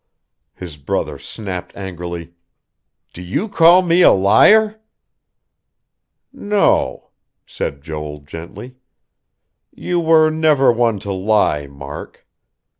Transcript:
His brother snapped angrily: "Do you call me liar?" "No," said Joel gently. "You were never one to lie, Mark."